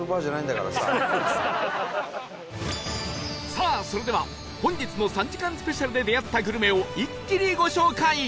さあそれでは本日の３時間スペシャルで出会ったグルメを一気にご紹介！